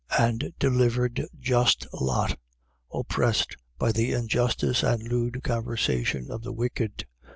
And delivered just Lot, oppressed by the injustice and lewd conversation of the wicked: 2:8.